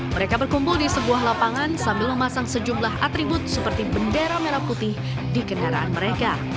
mereka berkumpul di sebuah lapangan sambil memasang sejumlah atribut seperti bendera merah putih di kendaraan mereka